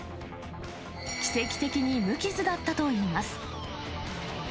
奇跡的に無傷だったといいます。